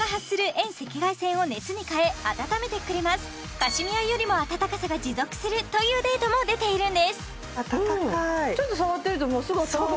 カシミヤよりも温かさが持続するというデータも出ているんです